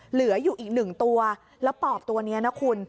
เหลืออยู่อีกหนึ่งตัวแล้วปอบตัวนี้นะคุณ